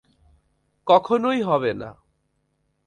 কখনোই হবে না।